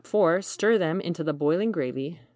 Stir them into the boiling gravy.